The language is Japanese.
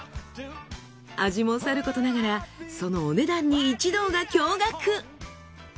味もさることながらそのお値段に一同が驚がく。